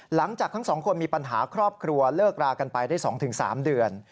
หลังจากทั้งสองคนมีปัญหาครอบครัวเลิกรากันไปได้๒๓เดือน